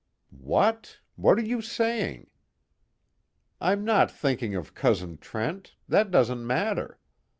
'" "What? What are you saying?" "I'm not thinking of Cousin Trent that doesn't matter.